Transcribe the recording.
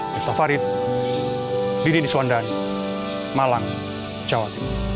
hai tafarid diri di suandani malang jawa